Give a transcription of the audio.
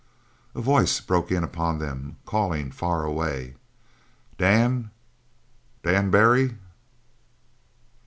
A voice broke in upon them, calling far away: "Dan! Dan Barry!"